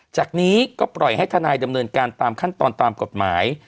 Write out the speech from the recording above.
จากนี้ก็ปล่อยให้ทนายดำเนินการตามขั้นตอนตามกฎหมาย